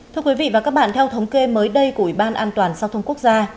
thưa quý vị và các bạn theo thống kê mới đây của ủy ban an toàn giao thông quốc gia